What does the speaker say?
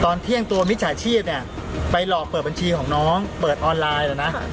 ตอนเที่ยงตัวมิจฉาชีพเนี่ยไปหลอกเปิดบัญชีของน้องเปิดออนไลน์แล้วนะ